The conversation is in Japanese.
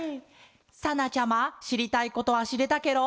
さなちゃましりたいことはしれたケロ？